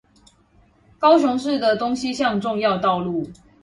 高雄市的東西向重要道路